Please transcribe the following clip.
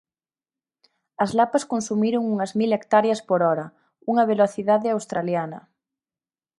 As lapas consumiron unhas mil hectáreas por hora, unha velocidade australiana.